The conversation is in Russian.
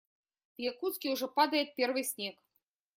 В Якутске уже падает первый снег.